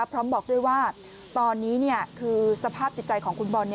พร้อมบอกด้วยว่าตอนนี้คือสภาพจิตใจของคุณบอล